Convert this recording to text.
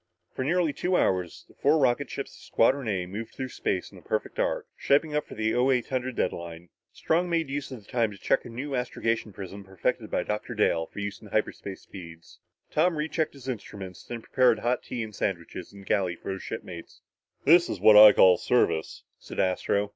For nearly two hours the four rocket ships of Squadron A moved through space in a perfect arc, shaping up for the 0800 deadline. Strong made use of the time to check a new astrogation prism perfected by Dr. Dale for use at hyperspace speeds. Tom rechecked his instruments, then prepared hot tea and sandwiches in the galley for his shipmates. "This is what I call service," said Astro.